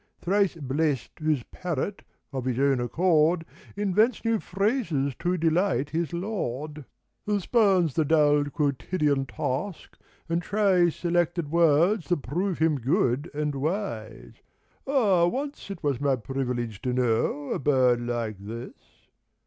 Thrice blest whose parrot of his own accord Invents new phrases to deHght his Lord, 1 06 Who spurns the dull quotidian task and tries Selected words that prove him good and wise. Ah, once it was my privilege to know A bird like this